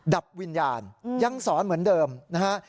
ดับวิญญาณยังสอนเหมือนเดิมนะฮะ